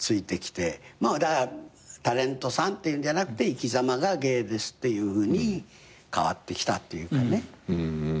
だからタレントさんっていうんじゃなくて生き様が芸ですっていうふうに変わってきたっていうかね。